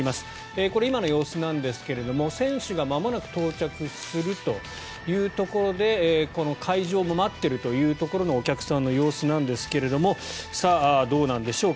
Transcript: これ、今の様子なんですが選手がまもなく到着するというところでこの開場を待っているというところのお客さんの様子なんですがどうなんでしょうか。